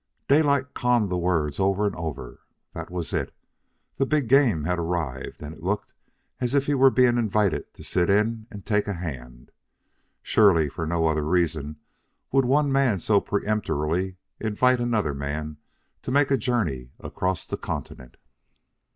Daylight conned the words over and over. That was it. The big game had arrived, and it looked as if he were being invited to sit in and take a hand. Surely, for no other reason would one man so peremptorily invite another man to make a journey across the continent.